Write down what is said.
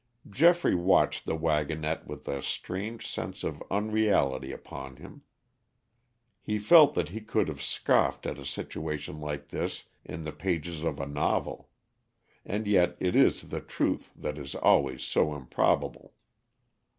Geoffrey watched the wagonette with a strange sense of unreality upon him. He felt that he could have scoffed at a situation like this in the pages of a novel. And yet it is the truth that is always so improbable.